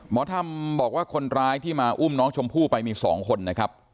หมอธรรมบอกว่าคนร้ายที่มาอุ้มน้องชมพู่ไปมี๒คนนะครับ